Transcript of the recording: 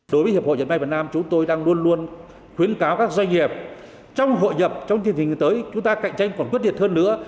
đối với hiệp hội dệt may việt nam chúng tôi đang luôn luôn khuyến cáo các doanh nghiệp trong hội nhập trong thiền hình tới chúng ta cạnh tranh còn quyết định hơn nữa